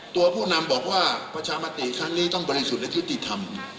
ผู้นำบอกว่าประชามติครั้งนี้ต้องบริสุทธิ์และยุติธรรม